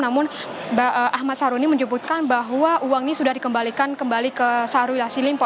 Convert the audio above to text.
namun ahmad saruni menyebutkan bahwa uang ini sudah dikembalikan kembali ke syahrul yassin limpo